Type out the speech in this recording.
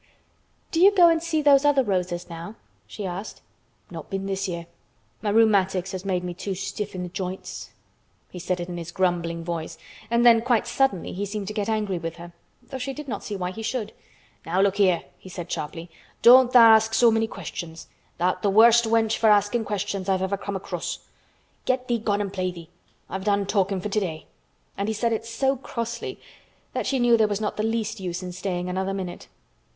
"Do you go and see those other roses now?" she asked. "Not been this year. My rheumatics has made me too stiff in th' joints." He said it in his grumbling voice, and then quite suddenly he seemed to get angry with her, though she did not see why he should. "Now look here!" he said sharply. "Don't tha' ask so many questions. Tha'rt th' worst wench for askin' questions I've ever come across. Get thee gone an' play thee. I've done talkin' for today." And he said it so crossly that she knew there was not the least use in staying another minute.